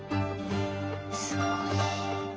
すごい！